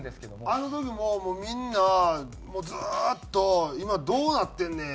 あの時ももうみんなずーっと「今どうなってんねん？」